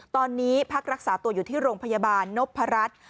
ตอนนี้พักรักษาตัวอยู่ที่โรงพยาบาลนพรัช